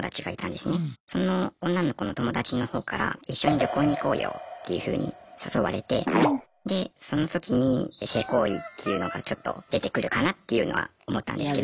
その女の子の友達の方から一緒に旅行に行こうよっていうふうに誘われてでその時に性行為っていうのがちょっと出てくるかなっていうのは思ったんですけど。